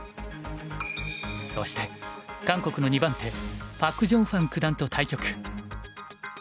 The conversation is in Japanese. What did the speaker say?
そして韓国の２番手パクジョンファン九段と対局。